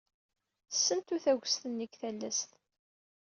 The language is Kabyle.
Sentu tagest-nni deg talast.